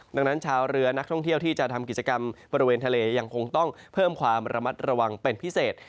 ดังนั้นชาวเรือนักท่องเที่ยวที่จะทำกิจกรรมบริเวณทะเลยังคงต้องเพิ่มความระมัดระวังเป็นพิเศษ